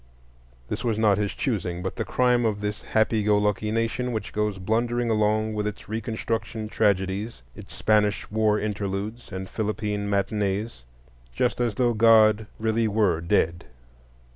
This was not his choosing, but the crime of this happy go lucky nation which goes blundering along with its Reconstruction tragedies, its Spanish war interludes and Philippine matinees, just as though God really were dead.